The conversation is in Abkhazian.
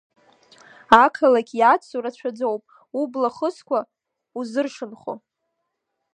Ақалақь иацу рацәаӡоуп, убла хызкуа, узыршанхо…